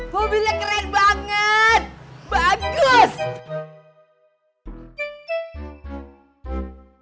mobilnya keren banget